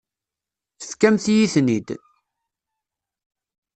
Tefkamt-iyi-ten-id.